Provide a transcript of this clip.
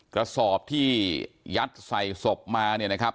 กระสอบที่ยัดใส่ศพมาเนี่ยนะครับ